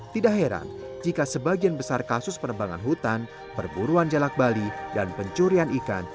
tidak heran jika sebagian besar kasus penebangan hutan perburuan jelak bali dan pencurian ikan